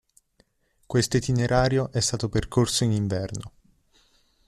Questo itinerario è stato percorso in inverno.